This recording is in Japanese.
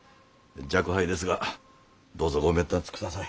若輩ですがどうぞごべんたつください。